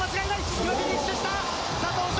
今フィニッシュした、佐藤翔